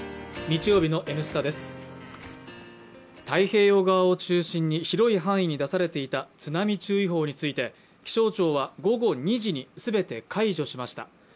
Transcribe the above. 太平洋側を中心に広い範囲に出されていた津波注意報について、気象庁は午後２時に全て解除しました。